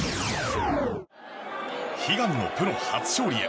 悲願のプロ初勝利へ。